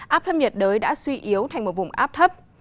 áp thấp nhiệt đới đã suy yếu thành một vùng áp thấp